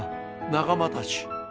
仲間たち！